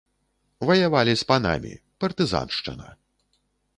Ваявалі з панамі, партызаншчына.